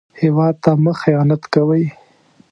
هېواد ته مه خيانت کوئ